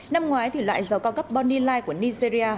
năm ngoái thì loại dầu cao cấp bonnie light của nigeria